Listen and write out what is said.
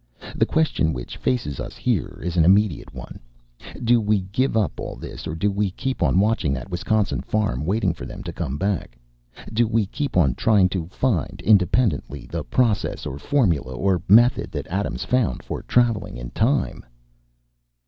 The question which faces us here is an immediate one. Do we give all this up or do we keep on watching that Wisconsin farm, waiting for them to come back? Do we keep on trying to find, independently, the process or formula or method that Adams found for traveling in time?"